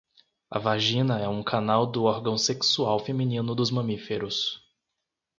A vagina é um canal do órgão sexual feminino dos mamíferos